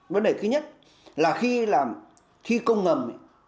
vấn đề thứ nhất là khi công ngầm